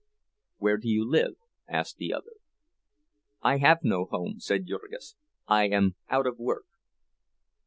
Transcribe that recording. "Where do you live?" asked the other. "I have no home," said Jurgis, "I am out of work."